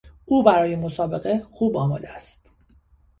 او برای مسابقه خوب آماده است.